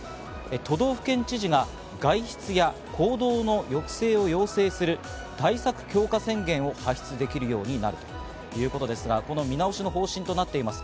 都道府県知事が外出や行動の抑制を要請する対策強化宣言を発出できるようになったということですが、この見直しの方針となっています